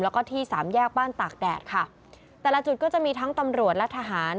แล้วก็ที่สามแยกบ้านตากแดดค่ะแต่ละจุดก็จะมีทั้งตำรวจและทหาร